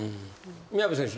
宮部選手